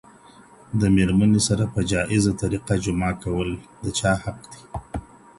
د ميرمنې سره په جائزه طریقه جماع کول د چا حق دی؟